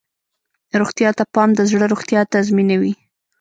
روغتیا ته پام د زړه روغتیا تضمینوي.